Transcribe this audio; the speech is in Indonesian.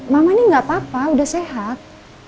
mama ini nggak apa apa udah sehat